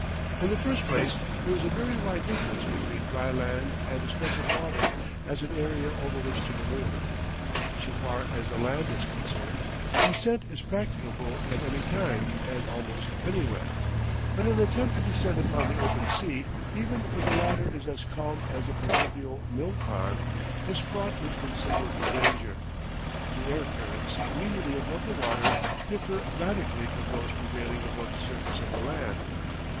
In the first place there is a very wide difference between dry land and a stretch of water as an area over which to manoeuvre. So far as the land is concerned descent is practicable at any time and almost anywhere. But an attempt to descend upon the open sea even when the latter is as calm as the proverbial mill pond is fraught with considerable danger. The air currents immediately above the water differ radically from those prevailing above the surface of the land.